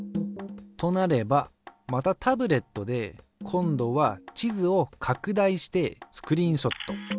となればまたタブレットで今度は地図を拡大してスクリーンショット。